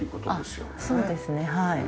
そうですねはい。